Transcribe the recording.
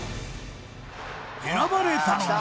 選ばれたのが。